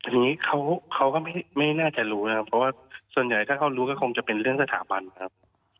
อันนี้เขาก็ไม่น่าจะรู้นะครับเพราะว่าส่วนใหญ่ถ้าเขารู้ก็คงจะเป็นเรื่องสถาบันครับ